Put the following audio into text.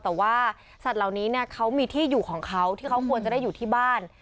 แต่ว่าสัตว์เหล่านี้เนี่ยเขามีที่อยู่ของเขาที่เขาควรจะได้อยู่ที่บ้าน